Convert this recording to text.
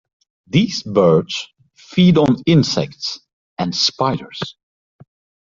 These birds feed on insects and spiders.